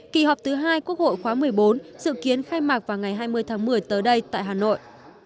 kỳ họp thứ hai quốc hội khóa một mươi bốn dự kiến khai mạc vào ngày hai mươi tháng một mươi tới đây tại hà nội